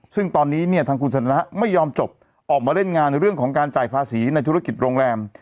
ซึ่งตอนนี้เนี่ยทางคุณสันทนะไม่ยอมจบออกมาเล่นงานเรื่องของการจ่ายภาษีในธุรกิจโรงแรม